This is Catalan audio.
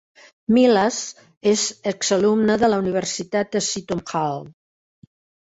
Miles és exalumne de la Universitat de Seton Hall.